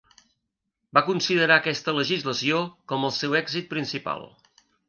Va considerar aquesta legislació com el seu èxit principal.